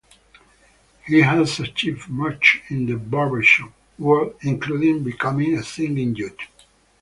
He has achieved much in the barbershop world, including becoming a singing judge.